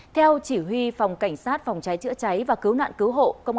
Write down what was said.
theo chỉ huy phòng cảnh sát phòng cháy chữa cháy và cứu nạn cứu hộ